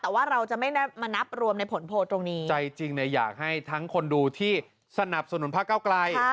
แต่ว่าเราจะไม่มานับรวมในผลโพลตรงนี้ใจจริงเนี่ยอยากให้ทั้งคนดูที่สนับสนุนพระเก้าไกล